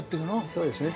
そうですね。